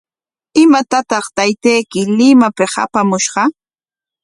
¿Imatataq taytayki Limapik apamushqa?